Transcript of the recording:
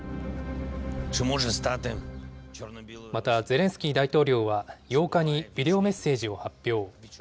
また、ゼレンスキー大統領は８日にビデオメッセージを発表。